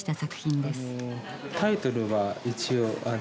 タイトルは一応あの。